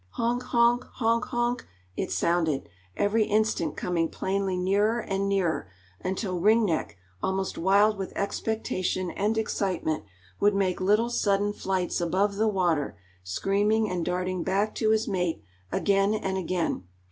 "Honk, honk, honk honk," it sounded, every instant coming plainly nearer and nearer, until Ring Neck, almost wild with expectation and excitement, would make little sudden flights above the water, screaming and darting back to his mate again and again.